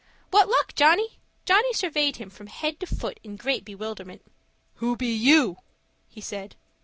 "What luck, Johnny?" repeated Dick. Johnny surveyed him from head to foot in great bewilderment. "Who be you?" he said.